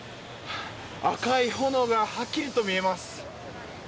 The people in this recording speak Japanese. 赤い炎がはっきりと見えます。